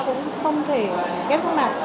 cũng không thể kép sắc mạc